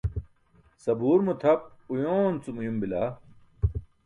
Sabuur mo tʰap uyoon cum uyum biluma?